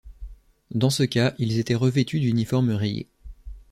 Dans ce cas ils étaient revêtus d'uniformes rayés.